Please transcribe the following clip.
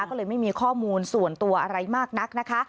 ก็เลยไม่มีข้อมูลส่วนตัวอะไรมากนักนะคะ